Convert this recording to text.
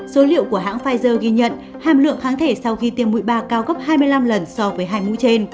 số liệu của hãng pfizer ghi nhận hàm lượng kháng thể sau khi tiêm mũi ba cao gấp hai mươi năm lần so với hai mũi trên